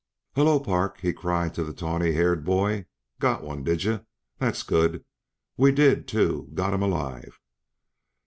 "Hello, Park," he cried to the tawny haired boy. "Got one, did yuh? That's good. We did, too got him alive.